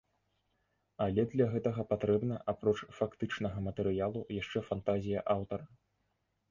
Але для гэтага патрэбна, апроч фактычнага матэрыялу, яшчэ фантазія аўтара.